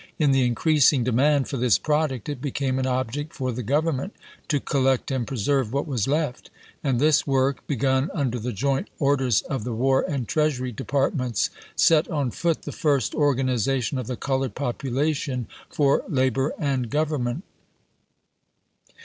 In the increasing demand for this product it became an object for the Government to collect and preserve what was left ; and this work, begun under the joint orders of the War and Treasury Departments, set on foot the first organization of the colored population for labor and government.